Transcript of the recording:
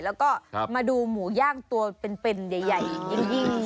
แล้วก็มาดูหมูย่างตัวเป็นใหญ่ยิ่ง